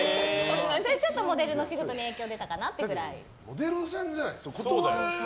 それはモデルの仕事に影響が出たかなっていうくらい。